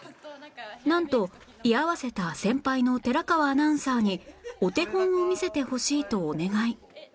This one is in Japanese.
なんと居合わせた先輩の寺川アナウンサーにお手本を見せてほしいとお願い